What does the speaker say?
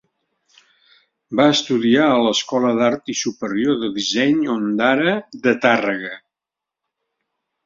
Va estudiar a l'Escola d'Art i Superior de Disseny Ondara de Tàrrega.